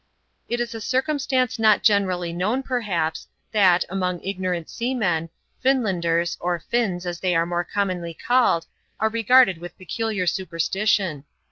It is a circumstance not generally known, perhaps, that, among ignorant seamen, Finlanders, or Finns, as they are more commonly called, are regarded with peculiar superstition.